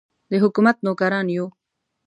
د حکومت نوکران یو.